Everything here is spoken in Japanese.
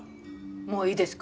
もういいですか？